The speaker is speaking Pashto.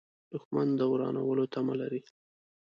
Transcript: دښمن د ورانولو تمه لري